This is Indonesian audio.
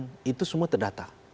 kalau deportan itu semua terdata